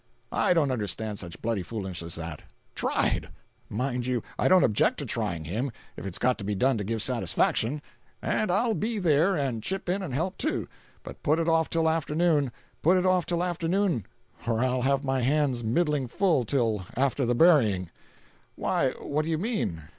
I don't understand such bloody foolishness as that. Tried! Mind you, I don't object to trying him, if it's got to be done to give satisfaction; and I'll be there, and chip in and help, too; but put it off till afternoon—put it off till afternoon, for I'll have my hands middling full till after the burying—" "Why, what do you mean?